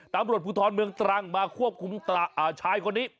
ปีภูทรเมืองตรังมาควบคุมชายเค้า